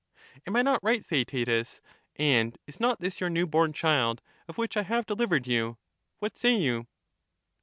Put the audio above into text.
Am I not right, Theaetetus, and is not this your new born child, of which I have delivered you ? What say you